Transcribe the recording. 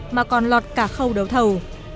mà còn lọt cả khâu đấu thầu